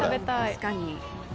確かに。